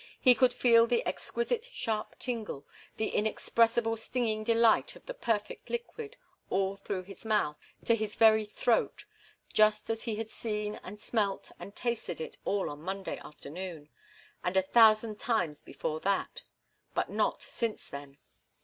He could feel the exquisite sharp tingle, the inexpressible stinging delight of the perfect liquid, all through his mouth, to his very throat just as he had seen and smelt and tasted it all on Monday afternoon, and a thousand times before that but not since then.